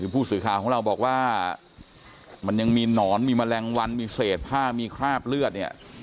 ผู้สื่อข่าวของเราบอกว่ามันยังมีหนอนมีแมลงวันมีเศษผ้ามีคราบเลือดเนี่ย